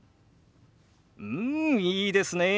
うんいいですねえ。